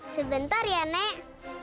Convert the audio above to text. sebentar ya nek